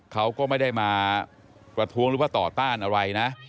เขาก็ไม่ได้มาประท้วงหรือว่าต่อต้านอะไรนะ